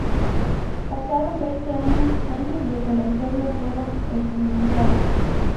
Pasaron veinte años antes de que la historia fuera escenificada.